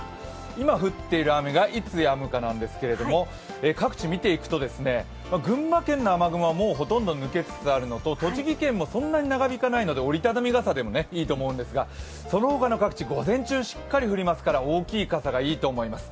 今降っている雨がいつやむかなんですけれども、各地、見ていくと、群馬県の雨雲はほとんど抜けつつあるのと栃木県もそんなに長引かないので折り畳み傘でもいいと思うんですがそのほかの各地、午前中しっかり降りますから大きい傘がいいと思います。